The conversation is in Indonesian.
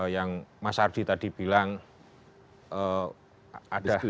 yang mas ardi tadi bilang ada